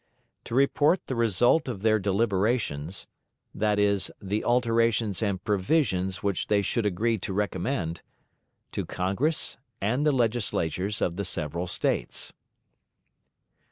"To report the result of their deliberations that is, the 'alterations and provisions' which they should agree to recommend to Congress and the Legislatures of the several States."